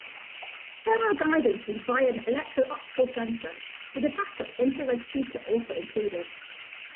Terminal guidance was via an electro-optical sensor, with a backup infrared seeker also included.